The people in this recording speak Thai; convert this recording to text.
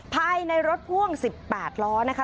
ภายในรถพ่วง๑๘ล้อนะคะ